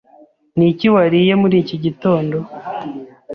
Niki wariye muri iki gitondo?